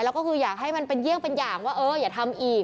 แล้วก็คืออยากให้มันเป็นเยี่ยงเป็นอย่างว่าเอออย่าทำอีก